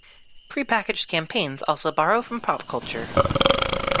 Prepackaged campaigns also borrow from pop culture.